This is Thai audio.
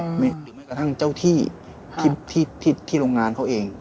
หรือแม้กระทั่งเจ้าที่ที่โรงงานเขาเอง